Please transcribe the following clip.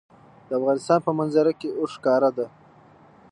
د افغانستان په منظره کې اوښ ښکاره ده.